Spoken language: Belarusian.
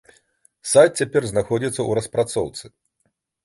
Сайт цяпер знаходзіцца ў распрацоўцы.